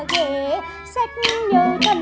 ghê sách như thân